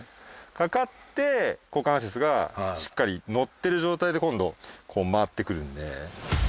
かかって股関節がしっかり乗ってる状態で今度こう回ってくるんで。